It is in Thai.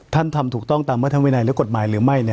ท่านทำถูกต้องตามวัฒนวินัยและกฎหมายหรือไม่เนี่ย